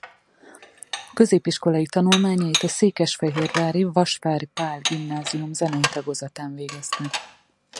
Középiskolai tanulmányait a Székesfehérvári Vasvári Pál Gimnázium zenei tagozatán végezte.